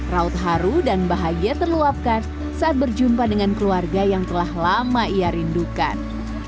raut haru dan bahagia terluapkan saat berjumpa dengan keluarga yang telah lama ia rindukan